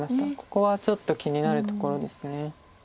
ここはちょっと気になるところです。